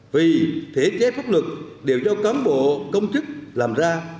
vì thể chế pháp luật đều do cán bộ công chức làm ra